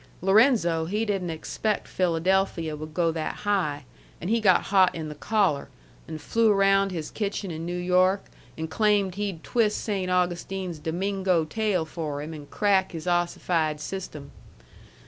Lorenzo he didn't expect Philadelphia would go that high, and he got hot in the collar, an' flew round his kitchen in New York, an' claimed he'd twist Saynt Augustine's Domingo tail for him and crack his ossified system.